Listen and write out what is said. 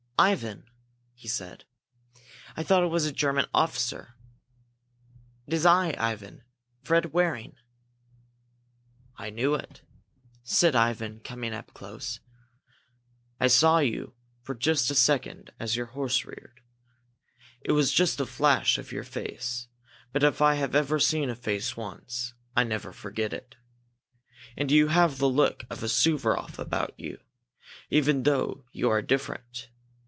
"Ivan!" he said. "I thought it was a German officer! It is I, Ivan Fred Waring!" "I knew it," said Ivan, coming up close. "I saw you for just a second as your horse reared. It was just a flash of your face, but if I have ever seen a face once, I never forget it. And you have the look of a Suvaroff about you, even though you are different.